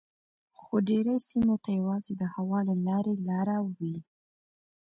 خو ډیری سیمو ته یوازې د هوا له لارې لاره وي